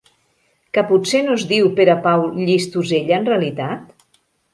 Que potser no es diu Perepau Llistosella, en realitat?